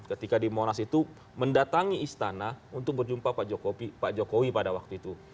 ketika di monas itu mendatangi istana untuk berjumpa pak jokowi pada waktu itu